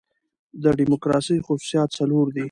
د ډیموکراسۍ خصوصیات څلور دي.